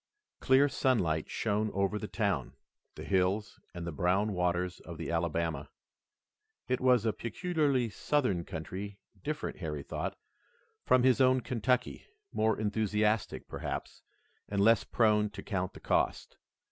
Clear sunlight shone over the town, the hills and the brown waters of the Alabama. It was a peculiarly Southern country, different, Harry thought, from his own Kentucky, more enthusiastic, perhaps, and less prone to count the cost.